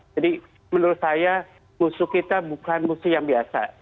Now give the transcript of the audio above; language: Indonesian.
jadi menurut saya musuh kita bukan musuh yang biasa